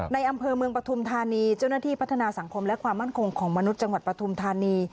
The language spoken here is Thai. ในอำเภอเมืองปฐุมธานีเจ้าหน้าที่พัฒนาสังคมและความมั่นคงของมนุษย์จังหวัดปฐุมธานี